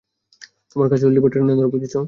তোমার কাজ হলো লিভারটা টেনে ধরা, বুঝেছ?